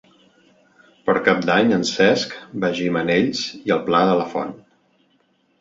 Per Cap d'Any en Cesc va a Gimenells i el Pla de la Font.